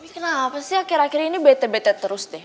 kenapa sih akhir akhir ini bete bete terus deh